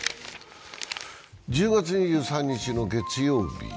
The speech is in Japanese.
１０月２３日の月曜日。